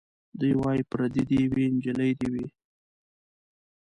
دی وايي پرېدۍ دي وي نجلۍ دي وي